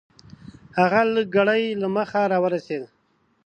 هغه لږ ګړی له مخه راورسېد .